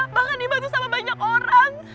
bahkan dibantu sama banyak orang